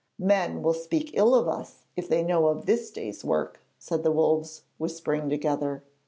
'Men will speak ill of us if they know of this day's work,' said the Wolves, whispering together.